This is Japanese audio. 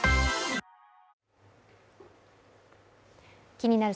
「気になる！